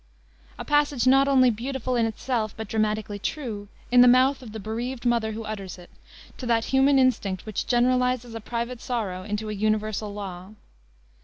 A passage not only beautiful in itself, but dramatically true, in the mouth of the bereaved mother who utters it, to that human instinct which generalizes a private sorrow into a universal law.